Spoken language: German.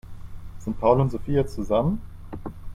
Sind Paul und Sophie jetzt zusammen?